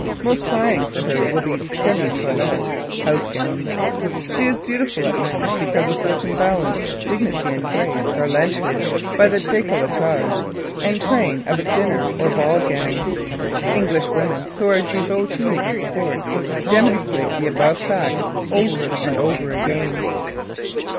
Most trying for her will be demi toilette (house gowns). She is beautiful at night because a certain balance, dignity and grace are lent her by the décolletage and train of a dinner or ball gown. English women who are devotees of sport, demonstrate the above fact over and over again.